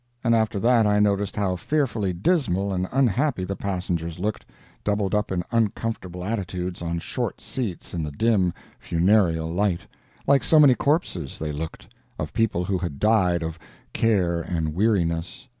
And after that I noticed how fearfully dismal and unhappy the passengers looked, doubled up in uncomfortable attitudes on short seats in the dim, funereal light—like so many corpses, they looked, of people who had died of care and weariness.